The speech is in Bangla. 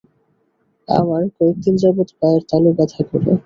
আমার কয়েকদিন যাবত পায়ের তালু ব্যথা করে।